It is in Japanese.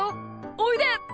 おいで！